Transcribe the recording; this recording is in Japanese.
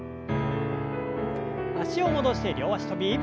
脚を戻して両脚跳び。